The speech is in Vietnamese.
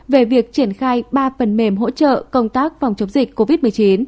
về việc triển khai ba phần mềm hỗ trợ công tác phòng chống dịch covid một mươi chín